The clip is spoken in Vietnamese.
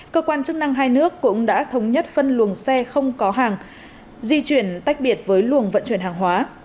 cơ quan chức năng hai nước cũng đã thống nhất phân luồng xe không có hàng di chuyển tách biệt với luồng vận chuyển hàng hóa